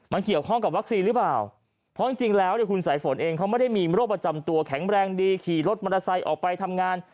มันเกี่ยวข้องกับวัคซีนหรือเปล่าเพราะจริงแล้วเนี่ยคุณสายฝนเองเขาไม่ได้มีโรคประจำตัวแข็งแรงดีขี่รถมอเตอร์ไซค์ออกไปทำงาน